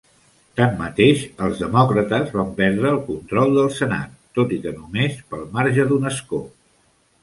Tanmateix, els Demòcrates van perdre el control del Senat, tot i que només pel marge d'un escó.